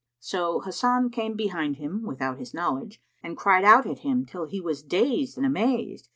So Hasan came behind him, without his knowledge, and cried out at him till he was dazed and amazed.